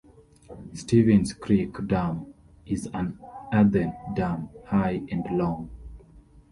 Stevens Creek Dam is an earthen dam high and long.